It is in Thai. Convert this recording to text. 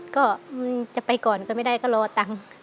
ก็จะไปก่อนก็ไม่ได้ก็รอต่าง